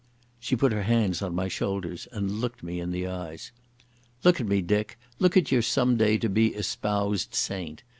She put her hands on my shoulders and looked me in the eyes. "Look at me, Dick, look at your someday to be espouséd saint.